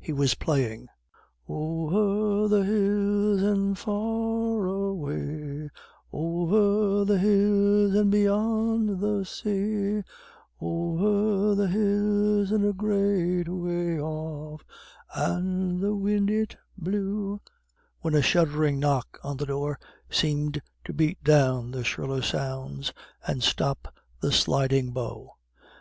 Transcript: He was playing "Over the hills and far away, Over the hills and beyond the say, Over the hills and a great way off, And the wind it blew " when a thudding knock on the door seemed to beat down the shriller sounds and stop the sliding bow.